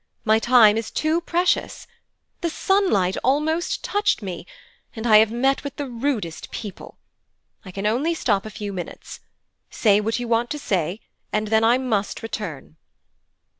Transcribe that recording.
My time is too precious. The sunlight almost touched me, and I have met with the rudest people. I can only stop a few minutes. Say what you want to say, and then I must return.'